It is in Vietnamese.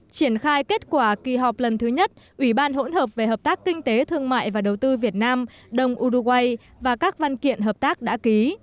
triển khai kết quả kỳ họp lần thứ nhất ủy ban hỗn hợp về hợp tác kinh tế thương mại và đầu tư việt nam đông uruguay và các văn kiện hợp tác đã ký